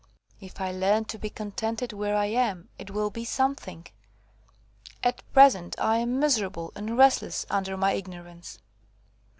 If I learn to be contented where I am, it will be something. At present I am miserable and restless under my ignorance."